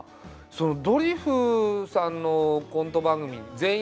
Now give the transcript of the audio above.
ドリフさんのコント番組